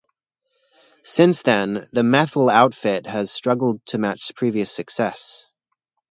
Since then, the Methil outfit has struggled to match previous success.